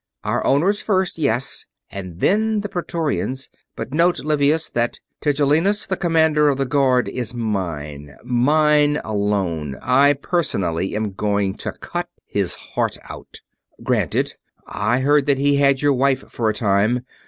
Our owners first, yes; and then the Praetorians. But note, Livius, that Tigellinus, the Commander of the Guard, is mine mine alone. I, personally, am going to cut his heart out." "Granted. I heard that he had your wife for a time.